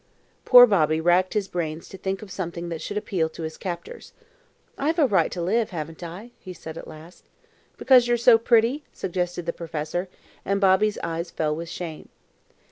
Poor Bobby racked his brains to think of something that should appeal to his captors. "I have a right to live, haven't I?" he said at last. "Because you are so pretty?" suggested the professor, and Bobby's eyes fell with shame.